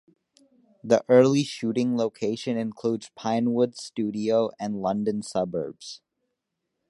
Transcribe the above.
The early shooting location includes Pinewoods Studio and London suburbs.